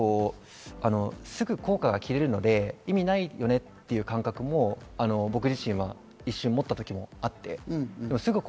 何となくすぐ効果が切れるので意味ないよねという感覚も僕自身は一瞬持った時もありました。